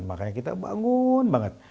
makanya kita bangun banget